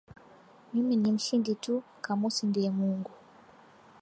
Mimi ni mshindi tu, kamusi ndiye Mungu